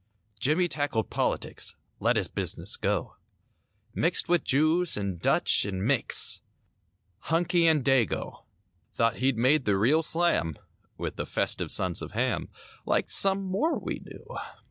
70 Jimmie tackled politics; Let his business go; Mixed with Jews and Dutch and Micks, Hunky and Dago. Thought he'd made the real slam With the festive sons of Ham— Like some more we know.